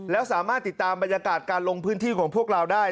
แล้วสามารถติดตามบรรยากาศการลงพื้นที่ของพวกเราได้